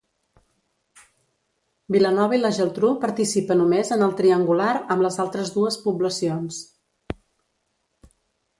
Vilanova i la Geltrú participa només en el triangular amb les altres dues poblacions.